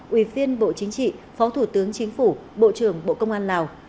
ủy viên bộ chính trị phó thủ tướng chính phủ bộ trưởng bộ công an lào